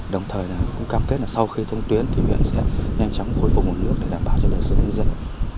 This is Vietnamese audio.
đồng thời cũng cam kết sau khi thông tuyến thì huyện sẽ nhanh chóng khối phục nguồn nước để đảm bảo cho đời sự nhân dân